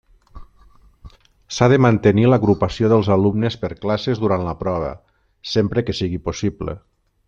S'ha de mantenir l'agrupació dels alumnes per classes durant la prova, sempre que sigui possible.